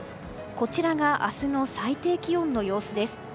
こちらが明日の最低気温の様子です。